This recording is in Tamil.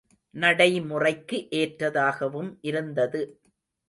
நடைமுறைக்கு ஏற்றதாகவும் இருந்தது.